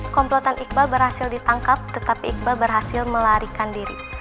komplotan iqbal berhasil ditangkap tetapi iqbal berhasil melarikan diri